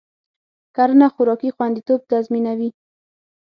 کرنه خوراکي خوندیتوب تضمینوي.